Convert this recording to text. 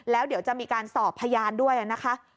แล้วเดี๋ยวจะมีการสอบพยานด้วยนะคะ